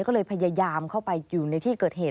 ก็เลยพยายามเข้าไปอยู่ในที่เกิดเหตุ